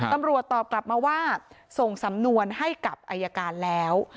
ตำรวจตอบกลับมาว่าส่งสำนวนให้กับอายการแล้ว